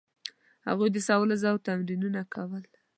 هغوی د سوال او ځواب تمرینونه کول.